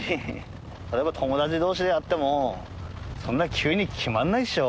例えば友達同士であってもそんな急に決まらないでしょ。